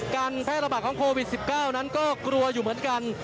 การแพร่ระบาดของโควิด๑๙นั้นก็กลัวอยู่เหมือนกัน